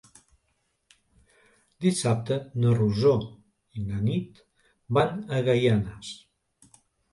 Dissabte na Rosó i na Nit van a Gaianes.